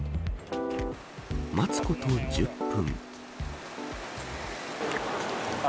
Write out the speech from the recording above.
待つこと１０分。